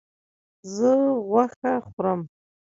زه غوښه خورم